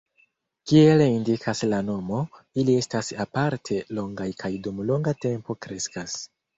Kiel indikas la nomo, ili estas aparte longaj kaj dum longa tempo kreskas.